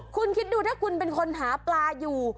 คุณคิดดูถ้าคุณเป็นคนหาปลาอยู่